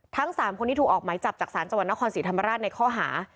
ทั้ง๓คนที่ถูกออกหมายจับจากศาลจังหวัดนครศรีธรรมราชในข้อหา